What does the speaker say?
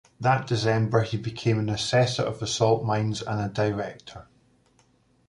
That December, he became an assessor of the salt mines and a director.